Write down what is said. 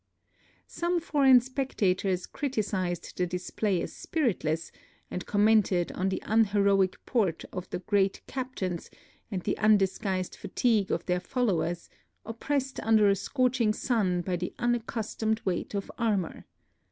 Some foreign spectators criticised the dis play as spiritless, and commented on the unhe roic port of the great captains and the undis guised fatigue of their followers, oppressed under a scorching sun by the unaccustomed weight of armor.